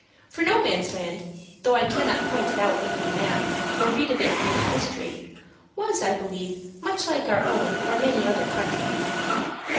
For Nomansland, though I cannot point it out in any map, or read of it in any history, was, I believe, much like our own or many another country.